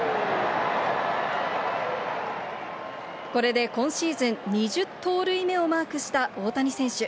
これで今シーズン２０盗塁目をマークした大谷選手。